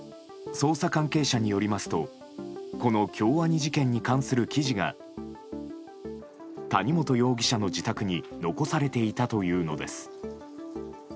捜査関係者によりますとこの京アニ事件に関する記事が谷本容疑者の自宅に残されていたというのです。